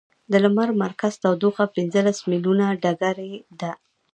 د لمر مرکز تودوخه پنځلس ملیونه ډګري ده.